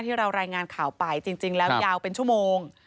ที่เรารายงานข่าวไปจริงแล้วยาวเป็นชั่วโมง